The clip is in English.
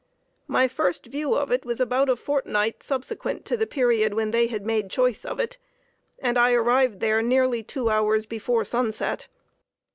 My first view of it was about a fortnight subsequent to the period when they had made choice of it, and I arrived there nearly two hours before sunset.